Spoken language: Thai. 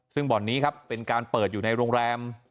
ซึ่งบ่อนนี้ครับเป็นการเปิดอยู่ในโรงแรม